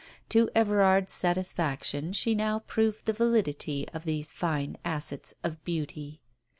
To Everard's satisfaction she now proved the validity of these fine assets of beauty.